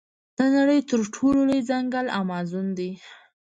د نړۍ تر ټولو لوی ځنګل امازون دی.